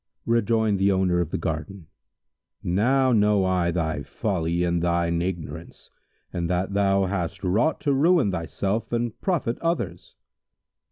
Rejoined the owner of the garden, "Now know I thy folly and thine ignorance in that thou hast wrought to ruin thyself and profit others."